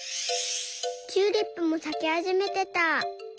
チューリップもさきはじめてた。